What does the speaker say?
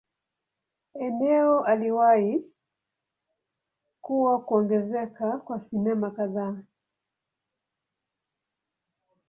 Eneo aliwahi kuwa kuongezeka kwa sinema kadhaa.